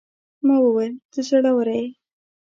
ما وويل: ته زړوره يې.